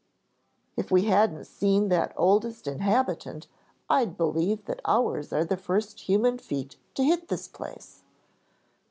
"If we hadn't seen that oldest inhabitant I'd believe that ours are the first human feet to hit this place.